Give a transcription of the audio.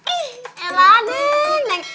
ih elah neng